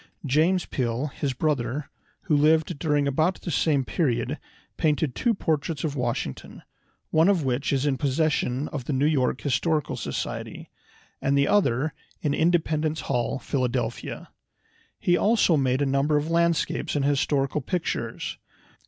James Peale, his brother, who lived during about the same period, painted two portraits of Washington, one of which is in possession of the New York Historical Society, and the other in Independence Hall, Philadelphia. He also made a number of landscapes and historical pictures.